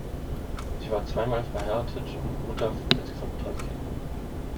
Sie war zweimal verheiratet und Mutter von insgesamt drei Kindern.